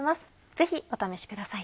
ぜひお試しください。